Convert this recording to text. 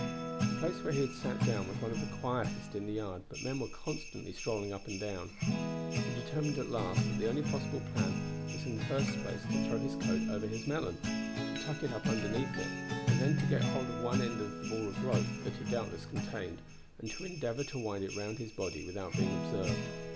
The place where he had sat down was one of the quietest in the yard, but men were constantly strolling up and down. He determined at last that the only possible plan was in the first place to throw his coat over his melon, to tuck it up underneath it, then to get hold of one end of the ball of rope that it doubtless contained and to endeavor to wind it round his body without being observed.